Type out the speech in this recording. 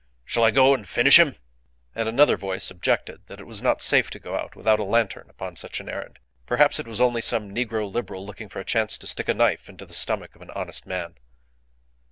Shall I go and finish him?" And another voice objected that it was not safe to go out without a lantern upon such an errand; perhaps it was only some negro Liberal looking for a chance to stick a knife into the stomach of an honest man.